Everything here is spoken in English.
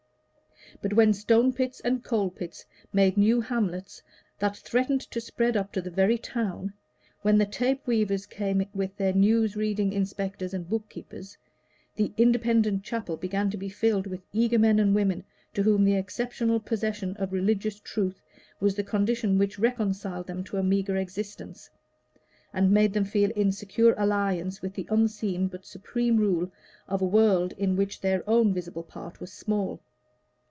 But when stone pits and coal pits made new hamlets that threatened to spread up to the very town, when the tape weavers came with their news reading inspectors and book keepers, the Independent chapel began to be filled with eager men and women, to whom the exceptional possession of religious truth was the condition which reconciled them to a meagre existence, and made them feel in secure alliance with the unseen but supreme rule of a world in which their own visible part was small.